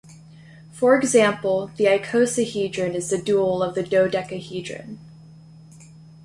For example, the icosahedron is the dual of the dodecahedron.